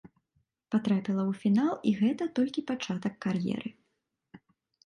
Патрапіла ў фінал, і гэта толькі пачатак кар'еры.